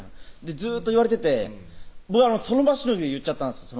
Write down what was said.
ずっと言われてて僕その場しのぎで言っちゃったんです